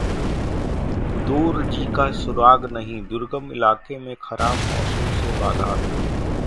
दोरजी का सुराग नहीं, दुर्गम इलाके में खराब मौसम से बाधा